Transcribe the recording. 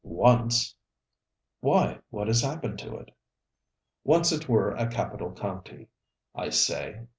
'Once!' 'Why, what has happened to it?' 'Once it were a capital county, I say.